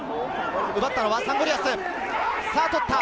奪ったのはサンゴリアス。